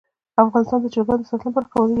افغانستان د چرګانو د ساتنې لپاره قوانین لري.